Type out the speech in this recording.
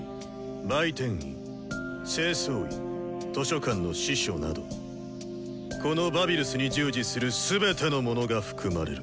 「売店員」「清掃員」「図書館の司書」などこのバビルスに従事する全ての者が含まれる。